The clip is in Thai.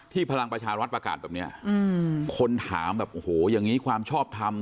พลังประชารัฐประกาศแบบนี้คนถามแบบโอ้โหอย่างนี้ความชอบทำ